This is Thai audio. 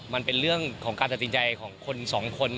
มันเป็นเรื่องของการตัดสินใจของคนสองคน